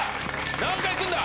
何回いくんだ？